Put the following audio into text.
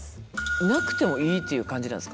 なくてもいいっていう感じなんですか？